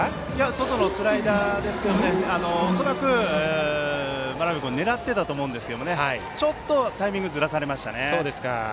外のスライダーですが恐らく真鍋君は狙っていたと思いますがちょっとタイミングをずらされました。